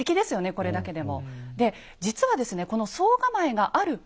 これだけでも。